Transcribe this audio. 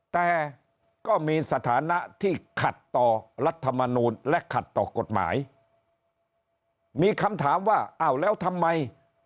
แต่ก็มีสถานะที่ขัดต่อรัฐมนูลและขัดต่อกฎหมายมีคำถามว่าอ้าวแล้วทำไม